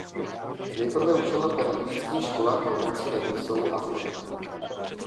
Nejprve učil na pedagogických školách v Jablonci nad Nisou a v Chebu.